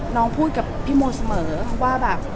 พูดกับพี่โมเสมอว่าแบบ